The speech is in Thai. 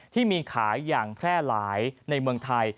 ที่มีขายอย่างแพร่หลายในเมืองไทย